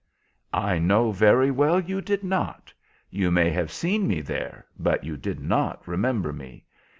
"I know very well you did not. You may have seen me there, but you did not remember me.